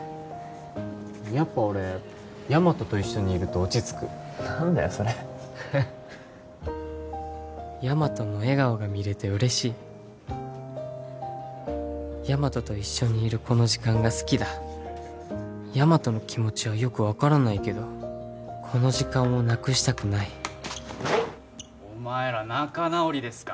やっぱ俺ヤマトと一緒にいると落ち着く何だよそれヤマトの笑顔が見れて嬉しいヤマトと一緒にいるこの時間が好きだヤマトの気持ちはよく分からないけどこの時間をなくしたくないおっお前ら仲直りですか